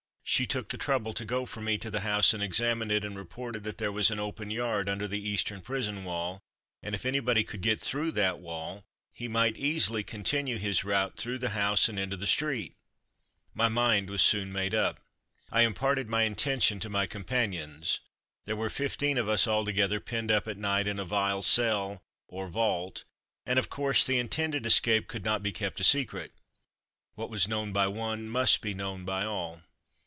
She took the trouble to go for me to the house and examine it, and reported that there was an open yard under the eastern prison wall, and if anybody could get through that wall he might easily continue his route through the house and into the street. My mind was soon made up. I imparted my intention to my companions. There were fifteen of us, altogether, penned up at night in a vile cell or vault, and, of course, the intended escape could not be kept a secret; what was known by one, must be known by all.